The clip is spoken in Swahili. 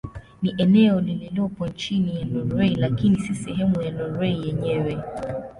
Ni eneo lililopo chini ya Norwei lakini si sehemu ya Norwei yenyewe.